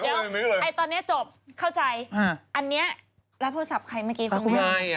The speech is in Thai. เดี๋ยวตอนนี้จบเข้าใจอันนี้รับโทรศัพท์ใครเมื่อกี้คุณแม่